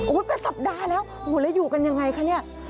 เป็นสัปดาห์แล้วโอ้โหแล้วอยู่กันยังไงคะเนี่ย